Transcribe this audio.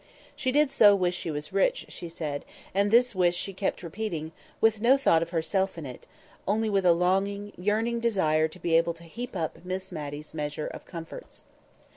She did so wish she was rich, she said, and this wish she kept repeating, with no thought of herself in it, only with a longing, yearning desire to be able to heap up Miss Matty's measure of comforts.